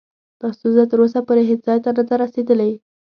دا ستونزه تر اوسه پورې هیڅ ځای ته نه ده رسېدلې.